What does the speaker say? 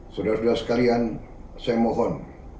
saudara saudara sekalian saya mohon